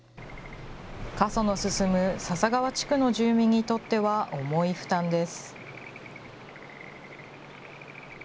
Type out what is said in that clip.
過疎の進む笹川地区の住民にとっては、重い負担です。